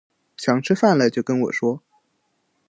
想吃饭了就跟我说